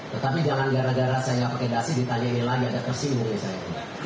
tetapi jangan gara gara saya tidak pakai dasi ditanyain lagi agak bersimbung ya saya